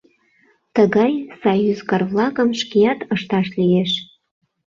Тыгай сай ӱзгар-влакым шкеат ышташ лиеш.